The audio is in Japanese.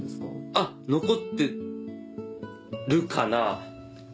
あっ残ってるかな？